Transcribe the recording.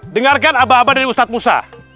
dengarkan aba aba dari ustadz musa